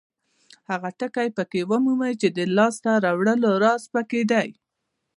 هغه ټکي پکې ومومئ چې د لاسته راوړنو راز پکې دی.